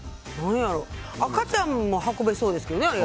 赤ちゃんも運べそうですけどね。